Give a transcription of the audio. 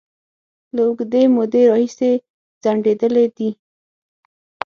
له اوږدې مودې راهیسې ځنډيدلې دي